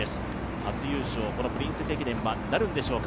初優勝、この「プリンセス駅伝」はなるんでしょうか。